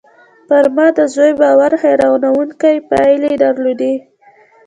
پر ما د زوی باور حيرانوونکې پايلې درلودې